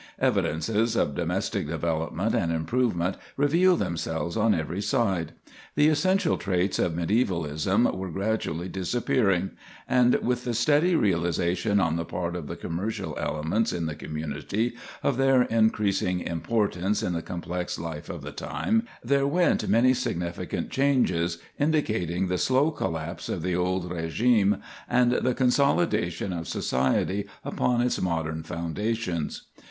Evidences of domestic development and improvement reveal themselves on every side. The essential traits of mediævalism were gradually disappearing; and with the steady realization on the part of the commercial elements in the community of their increasing importance in the complex life of the time, there went many significant changes, indicating the slow collapse of the old régime and the consolidation of society upon its modern foundations.